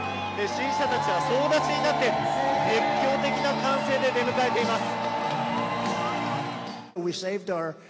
支持者たちは総立ちになって、熱狂的な歓声で出迎えています。